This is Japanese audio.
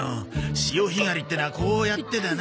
潮干狩りってのはこうやってだな。